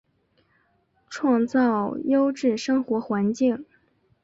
创造优质生活环境